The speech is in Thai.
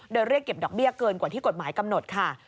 โดยเรียกเก็บดอกเบี้ยเกินกว่าที่กฎหมายกำหนดค่ะ